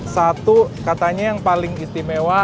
satu katanya yang paling istimewa